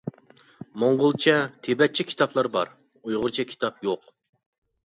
موڭغۇلچە، تىبەتچە كىتابلار بار، ئۇيغۇرچە كىتاب يوق.